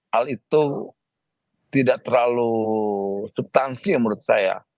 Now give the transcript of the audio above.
hal itu tidak terlalu subtansi menurut saya